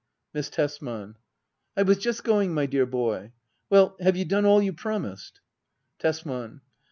Miss Tesman. I was just going, my dear boy. Well, have you done all you promised } Tesman.